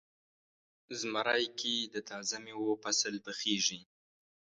زمری کې د تازه میوو فصل پخیږي.